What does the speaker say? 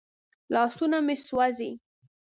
لاسونه مې سوځي.